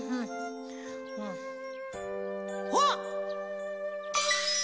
あっ！